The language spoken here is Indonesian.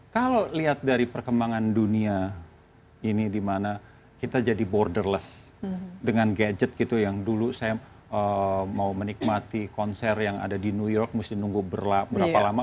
kalau lihat dari perkembangan dunia ini dimana kita jadi borderless dengan gadget gitu yang dulu saya mau menikmati konser yang ada di new york mesti nunggu berapa lama